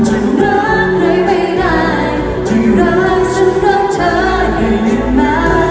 ฉันรักเคยไม่ได้ฉันรักฉันกับเธอให้ยังไม่